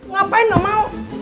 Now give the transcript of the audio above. ngapain gak mau